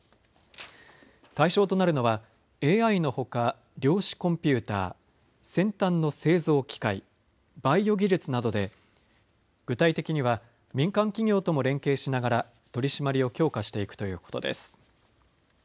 対象となるのはＡＩのほか量子コンピューター、先端の製造機械、バイオ技術などで具体的には民間企業とも連携しながら取締りを強化していくということです。